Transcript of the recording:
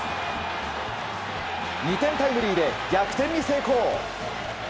２点タイムリーで逆転に成功。